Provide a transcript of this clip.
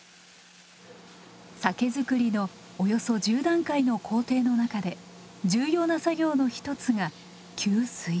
酒造りのおよそ１０段階の工程の中で重要な作業の一つが「吸水」。